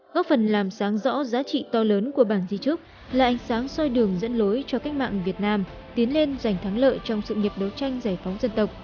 góp phần làm sáng rõ giá trị to lớn của bảng di trúc là ánh sáng soi đường dẫn lối cho cách mạng việt nam tiến lên giành thắng lợi trong sự nghiệp đấu tranh giải phóng dân tộc